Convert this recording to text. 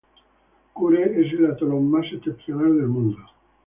Kure es el atolón más septentrional del mundo.